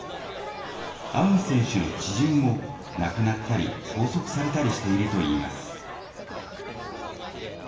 アウン選手の知人も亡くなったり、拘束されたりしているといいます。